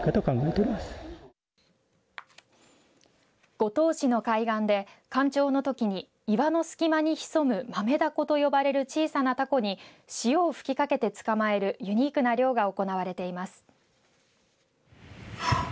五島市の海岸で干潮のときに岩の隙間にひそむマメダコと呼ばれる小さなタコに塩を吹きかけて捕まえるユニークな漁が行われています。